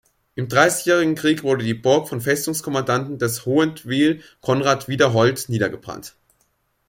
Im Dreißigjährigen Krieg wurde die Burg vom Festungskommandanten des Hohentwiel Konrad Widerholt niedergebrannt.